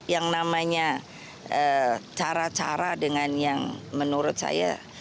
yang namanya cara cara dengan yang menurut saya